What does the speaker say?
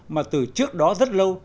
mà từ trước đó rất lâu